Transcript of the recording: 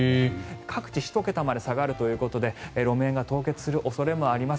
各地１桁まで下がるということで路面が凍結する恐れもあります。